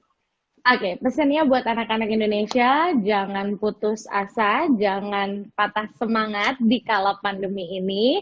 oke pesannya buat anak anak indonesia jangan putus asa jangan patah semangat di kala pandemi ini